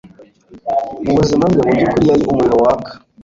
mubuzima bwe mubyukuri yari umuriro waka.